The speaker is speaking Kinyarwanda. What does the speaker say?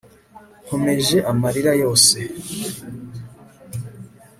nkomeje amarira yose